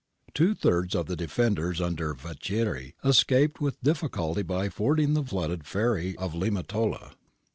Two thirds of the defenders under Vacchieri escaped with difficulty by fording the flooded ferry of Limatola.